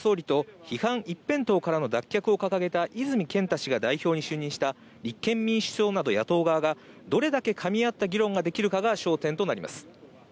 「聞く力」を掲げる岸田総理と「批判一辺倒からの脱却」を掲げた泉健太氏が代表に就任した立憲民主党など野党側がどれだけ噛み合った議論をできるかが焦点となります。